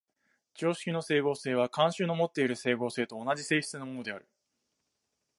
常識の斉合性は慣習のもっている斉合性と同じ性質のものである。